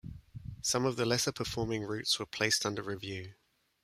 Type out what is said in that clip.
Some of the lesser-performing routes were placed under review.